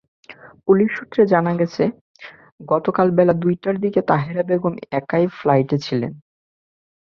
Police সূত্রে জানা গেছে, গতকাল বেলা দুইটার দিকে তাহেরা বেগম একাই ফ্ল্যাটে ছিলেন।